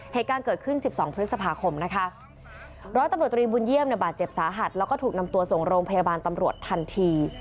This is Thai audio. เหตุการณ์เกิดขึ้นสิบสองพฤษภาคมนะคะร้อยตำรวจตรีบุญเยี่ยมเนี่ยบาดเจ็บสาหัสแล้วก็ถูกนำตัวส่งโรงพยาบาลตำรวจทันที